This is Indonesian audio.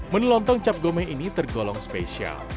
menelan tong cap gome ini tergolong spesial